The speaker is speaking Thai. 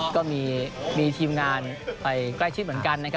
ก็มีทีมงานไปใกล้ชิดเหมือนกันนะครับ